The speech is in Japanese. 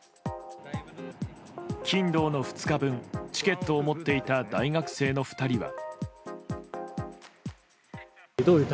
金土の２日分、チケットを持っていた大学生の２人は。